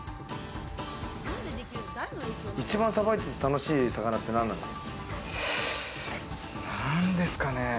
一番さばいていて楽しい魚っなんですかね。